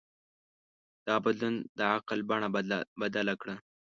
دا بدلون د عقل بڼه بدله کړه.